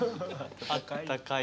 あったかい。